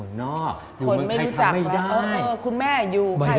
เออคุณแม่อยู่